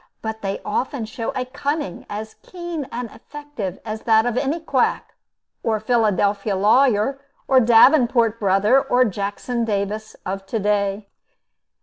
But they often show a cunning as keen and effective as that of any quack, or Philadelphia lawyer, or Davenport Brother, or Jackson Davis of to day.